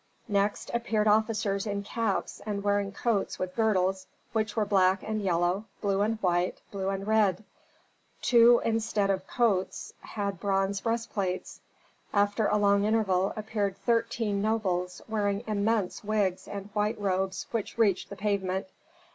Next appeared officers in caps and wearing coats with girdles which were black and yellow, blue and white, blue and red. Two instead of coats had bronze breastplates. After a long interval appeared thirteen nobles, wearing immense wigs and white robes which reached the pavement.